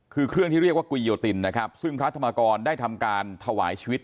คือเครื่องที่เรียกว่ากุยโยตินนะครับซึ่งพระธรรมกรได้ทำการถวายชีวิต